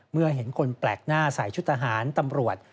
เมื่อเห็นคนแปลกหน้าใส่ชุดทหารตำรวจ